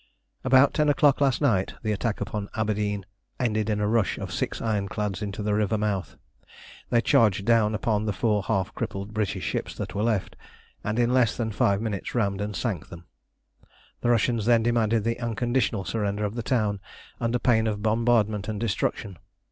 About ten o'clock last night the attack on Aberdeen ended in a rush of six ironclads into the river mouth. They charged down upon the four half crippled British ships that were left, and in less than five minutes rammed and sank them. The Russians then demanded the unconditional surrender of the town, under pain of bombardment and destruction.